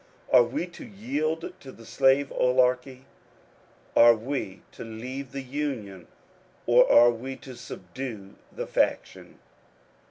Are we to yield to the slave oligarchy ? Are we to leave the Union or are we to subdue the ^^ faction